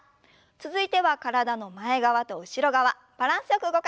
続いては体の前側と後ろ側バランスよく動かしていきましょう。